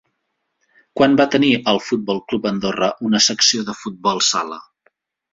Quan va tenir el Futbol Club Andorra una secció de futbol sala?